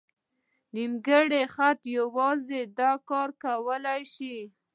نیمګړی خط یوازې دا کار کولی شو.